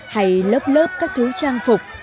hay lớp lớp các thứ trang phục